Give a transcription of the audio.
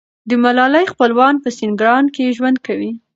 د ملالۍ خپلوان په سینګران کې ژوند کوي.